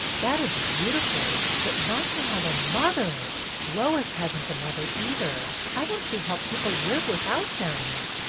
That is beautiful. But, not to have a mother ! Lois has n't a mother, either. I don't see how people live without them."